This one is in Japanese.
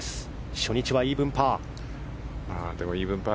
初日はイーブンパー。